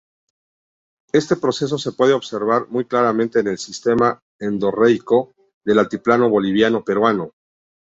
Este proceso se puede observar muy claramente en el sistema endorreico del altiplano boliviano-peruano.